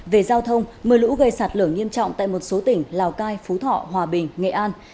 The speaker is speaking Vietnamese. về giao thông mưa lũ gây sạt lở nghiêm trọng tại một số tỉnh lào cai phú thọ hòa bình nghệ an